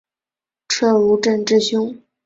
车汝震之兄。